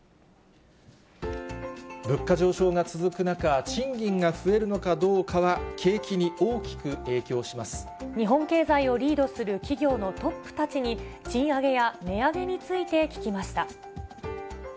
物価上昇が続く中、賃金が増えるのかどうかは、日本経済をリードする企業のトップたちに、賃上げや値上げについて聞きました。